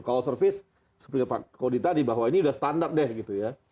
kalau service seperti pak kody tadi bahwa ini sudah standar deh gitu ya